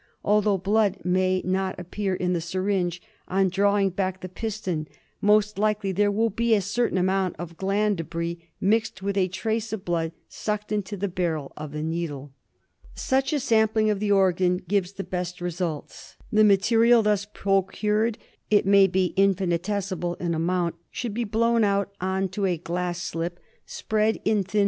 Although blood may not appear in the syringe on drawing back the piston, most likely there will be a certain amount of gland debris mixed with a trace of blood sucked into the barrel of the needle. Such a sampling of the organ gives the best results. The material thus procured, it may be infinitesimal in amount, should be blown out on to a glass slip, spread in thin 1 82 DIAGNOSIS OF KALA AZAR.